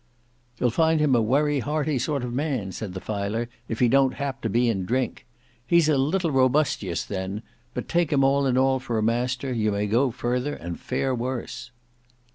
"You'll find him a wery hearty sort of man," said the filer, "if he don't hap to be in drink. He's a little robustious then, but take him all in all for a master, you may go further and fare worse.